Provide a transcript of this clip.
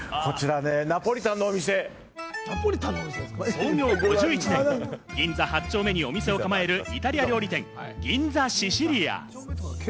創業５１年、銀座８丁目にお店を構えるイタリア料理店・銀座シシリア。